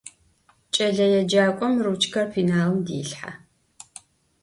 Ç'eleêcak'om ruçker pênalım dêlhhe.